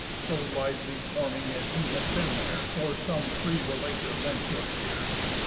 So lively forming, as you had been there, Or to some free relater lent your ear.